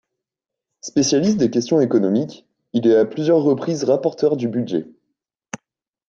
Spécialiste des questions économiques, il est à plusieurs reprises rapporteur du Budget.